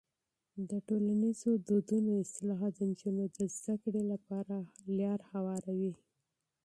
د ټولنیزو دودونو اصلاح د نجونو د زده کړې لپاره لاره هواروي.